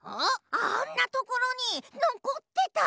あんなところにのこってた！